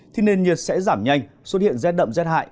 thì nền nhiệt sẽ giảm nhanh xuất hiện rét đậm rét hại